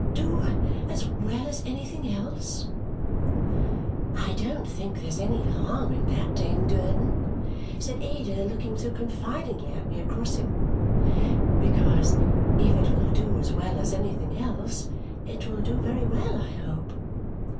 "Do as well as anything else!" "I don't think there's any harm in that, Dame Durden," said Ada, looking so confidingly at me across him; "because if it will do as well as anything else, it will do very well, I hope."